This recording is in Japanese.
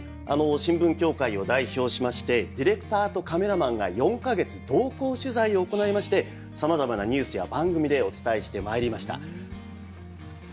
新聞協会を代表しましてディレクターとカメラマンが４か月同行取材を行いましてさまざまなニュースや番組でお伝えしてまいりました。